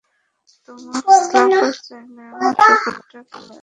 তোমার সাপ্লাই চাইলে, আমার শূকরটাকে লাগবে।